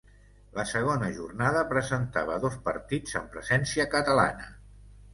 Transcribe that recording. La segona jornada presentava dos partits amb presència catalana.